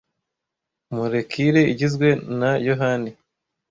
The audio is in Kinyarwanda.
Molekile igizwe na aYohani e.